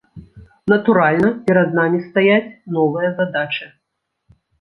Натуральна, перад намі стаяць новыя задачы.